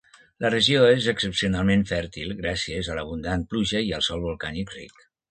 La regió és excepcionalment fèrtil, gràcies a l'abundant pluja i el sòl volcànic ric.